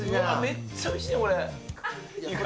めっちゃおいしいよ、これ。